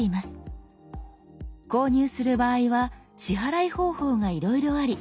購入する場合は支払い方法がいろいろあり